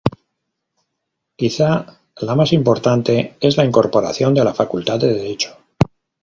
Quizá la más importante es la incorporación de la Facultad de Derecho.